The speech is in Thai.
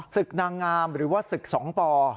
ศึกนางงามหรือว่าศึก๒ป